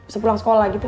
sebelum sekolah gitu